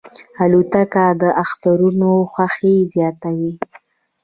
الوتکه د اخترونو خوښي زیاتوي.